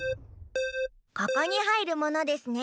ここにはいるものですね。